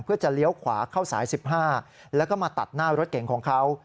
เพื่อจะเลี้ยวขวาเข้าสาย๑๕แล้วก็มาตัดหน้ารถเก่งของเขา